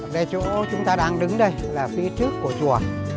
đây chỗ chúng ta đang đứng đây là phía trước của chùa